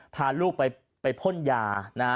พาลูกไปผ้นยานะ